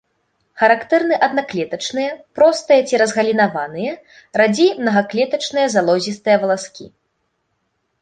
Характэрны аднаклетачныя, простыя ці разгалінаваныя, радзей мнагаклетачныя, залозістыя валаскі.